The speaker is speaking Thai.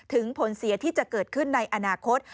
ถึงผลเสียที่จะเกิดขึ้นในอนาคต